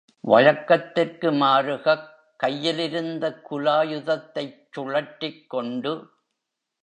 வழக்கத்திற்கு மாருகக் கையிலிருந்த குலா யுதத்தைச் சுழற்றிக் கொண்டு.